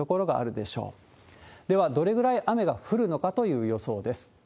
では、どれぐらい雨が降るのかという予想です。